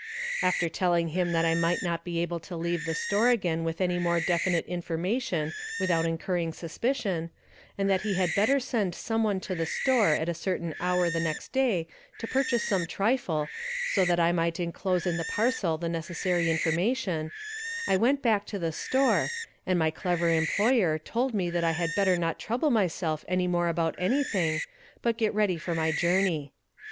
After telling him that I might not be able to leave the store again with any more definite information without incurring suspicion, and that he had better send some one to the store at a certain hour the next day to purchase some trifle, so that I might inclose in the parcel the necessary information, I went back to the store, and my clever employer told me that I had better not trouble myself any more about anything, but get ready for my journey.